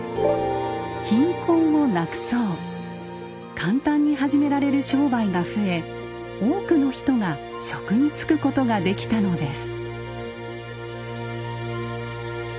簡単に始められる商売が増え多くの人が職に就くことができたのです。